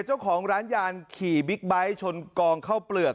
เจ้าของร้านยานขี่บิ๊กไบท์ชนกองเข้าเปลือก